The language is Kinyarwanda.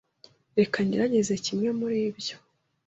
Reka ngerageze kimwe muri ibyo.